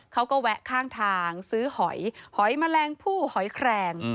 เขาก็แวะข้างทางซื้อหอยหอยแมลงผู้หอยแคลง